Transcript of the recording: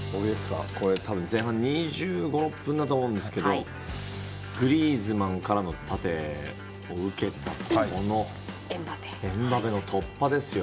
前半２５２６分だと思うんですけどグリーズマンからの縦を受けたあとのエムバペの突破ですよ。